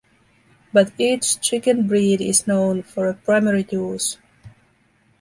But each chicken breed is known for a primary use.